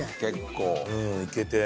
うん行けて。